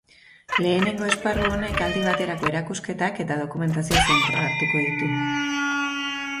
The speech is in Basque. Lehenengo esparru honek aldi baterako erakusketak eta dokumentazio-zentroa hartuko ditu.